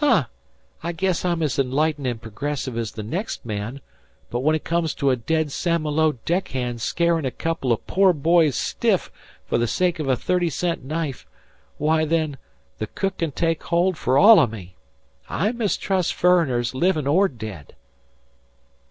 "Huh! I guess I'm as enlightened and progressive as the next man, but when it comes to a dead St. Malo deck hand scarin' a couple o' pore boys stiff fer the sake of a thirty cent knife, why, then, the cook can take hold fer all o' me. I mistrust furriners, livin' or dead."